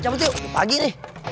cabut yuk pagi nih